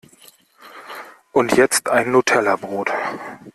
Und jetzt ein Nutellabrot!